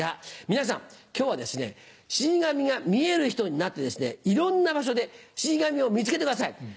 皆さん今日は死神が見える人になっていろんな場所で死神を見つけてください。